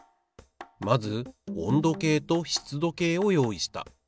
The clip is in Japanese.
まず温度計と湿度計を用意した。